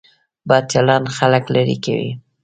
بد چلند خلک لرې کوي.